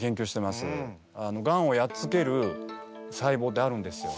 ガンをやっつける細胞ってあるんですよ。